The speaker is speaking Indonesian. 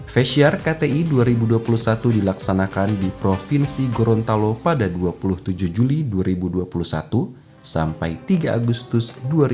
festiar kti dua ribu dua puluh satu dilaksanakan di provinsi gorontalo pada dua puluh tujuh juli dua ribu dua puluh satu sampai tiga agustus dua ribu dua puluh